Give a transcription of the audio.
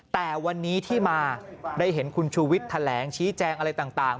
แต่วันนี้ที่มาได้เห็นคุณชูวิทย์แถลงชี้แจงอะไรต่าง